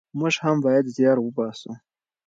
موږ هم بايد زيار وباسو.